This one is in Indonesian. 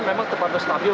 memang terpantau stabil